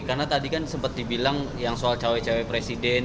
karena tadi kan sempat dibilang yang soal cewek cewek presiden